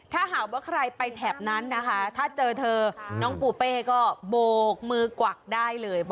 ถ้าหากว่าใครไปแถบนั้นนะคะถ้าเจอเธอน้องปูเป้ก็โบกมือกวักได้เลย